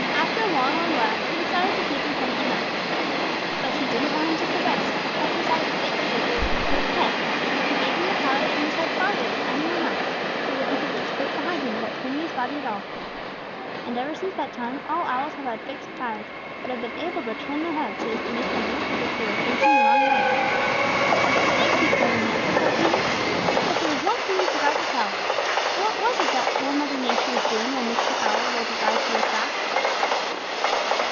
After a long, long while, she decided that he had been punished enough. But she didn't want him to forget, so she kept his eyes fixed so that they would look straight ahead; but she gave him the power to turn his head farther than any one else, so that he could look straight behind him without turning his body at all. And ever since that time, all Owls have had fixed eyes, but have been able to turn their heads so as to make them look as if they were facing the wrong way." "Thank you, Cousin Jumper," cried Peter. "But there is one thing you forgot to tell. What was it that Old Mother Nature was doing when Mr. Owl rolled his eyes to look back."